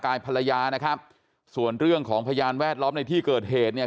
ภรรยานะครับส่วนเรื่องของพยานแวดล้อมในที่เกิดเหตุเนี่ย